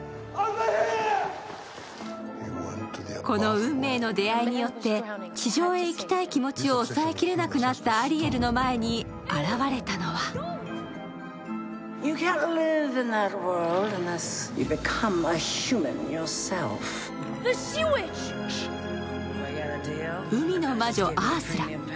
この運命の出会いによって地上へ行きたい気持ちを抑えきれなくなったアリエルの前に現れたのは海の魔女・アースラ。